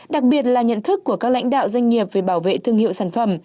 đặc biệt là nhận thức của các lãnh đạo doanh nghiệp về bảo vệ thương hiệu sản phẩm